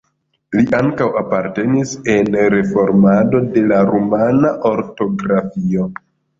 Li ankaŭ partoprenis en reformado de la rumana ortografio.